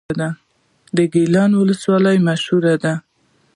ګیلان ولسوالۍ مشهوره ده؟